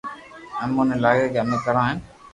امو ني لاگي امي ڪرو ھين